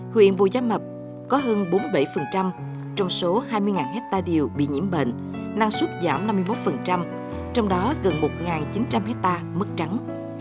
huyện bù gia mập có hơn bốn mươi bảy trong số hai mươi hectare điều bị nhiễm bệnh năng suất giảm năm mươi một trong đó gần một chín trăm linh hectare mất trắng